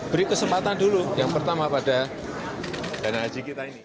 beri kesempatan dulu yang pertama pada dana haji kita ini